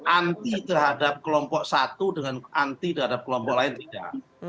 anti terhadap kelompok satu dengan anti terhadap kelompok lain tidak